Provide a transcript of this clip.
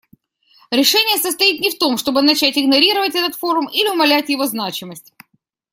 Решение состоит не в том, чтобы начать игнорировать этот форум или умалять его значимость.